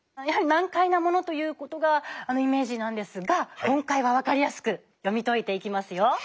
やはり難解なものという事がイメージなんですが今回は分かりやすく読み解いていきますよ。